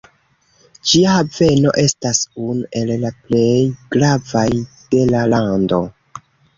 Ĝia haveno estas unu el la plej gravaj de la lando.